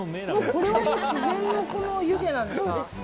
これは自然の湯気なんですか？